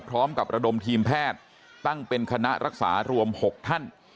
พร้อมกับระดมทีมแพทย์ตั้งเป็นคณะรักษารวม๖ท่าน